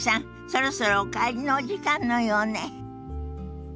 そろそろお帰りのお時間のようね。